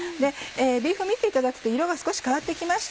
ビーフン見ていただくと色が少し変わって来ました。